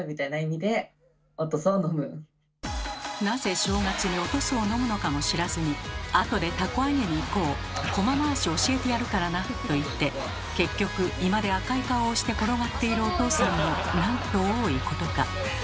なぜ正月にお屠蘇を飲むのかも知らずに「あとで凧揚げに行こう」「コマ回し教えてやるからな」と言って結局居間で赤い顔をして転がっているおとうさんのなんと多いことか。